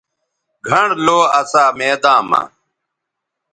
گھنڑ لو اسا میداں مہ